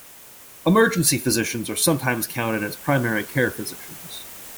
Emergency physicians are sometimes counted as primary care physicians.